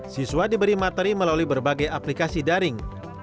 siswa diberi materi melalui berbagai aplikasi daring